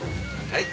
はい。